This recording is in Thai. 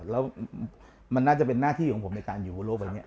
แล้วมันน่าจะเป็นหน้าที่ของผมในการอยู่โลกวันนี้